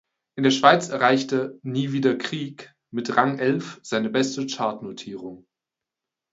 In der Schweiz erreichte "Nie wieder Krieg" mit Rang elf seine beste Chartnotierung.